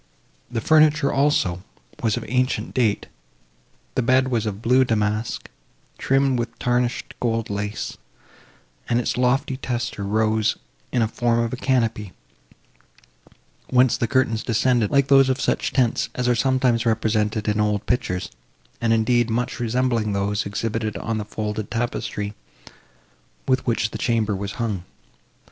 The furniture, also, was of ancient date; the bed was of blue damask, trimmed with tarnished gold lace, and its lofty tester rose in the form of a canopy, whence the curtains descended, like those of such tents as are sometimes represented in old pictures, and, indeed, much resembling those, exhibited on the faded tapestry, with which the chamber was hung.